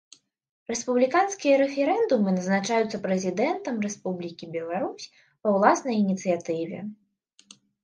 Рэспубліканскія рэферэндумы назначаюцца Прэзідэнтам Рэспублікі Беларусь па ўласнай ініцыятыве.